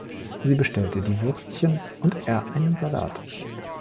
Sie bestellte die Würstchen und er einen Salat.